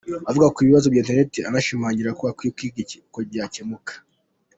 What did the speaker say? Avuga ku bibazo bya internete, yashimangiye ko hakwiye kwigwa uko cyakemuka.